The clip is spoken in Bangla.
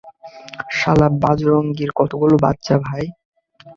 শালা বাজরঙ্গীর কতগুলো বাচ্চা, ভাই?